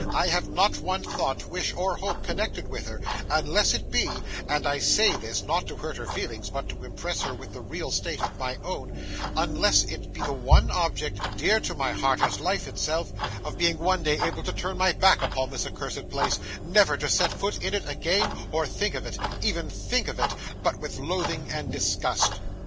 I have not one thought, wish, or hope, connected with her, unless it be and I say this, not to hurt her feelings, but to impress her with the real state of my own unless it be the one object, dear to my heart as life itself, of being one day able to turn my back upon this accursed place, never to set foot in it again, or think of it even think of it but with loathing and disgust.